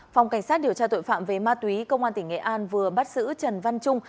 phòng cảnh sát điều tra tội phạm về ma túy công an tỉnh nghệ an vừa bắt giữ trần văn trung